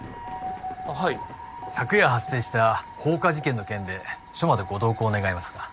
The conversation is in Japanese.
あはい昨夜発生した放火事件の件で署までご同行願えますか？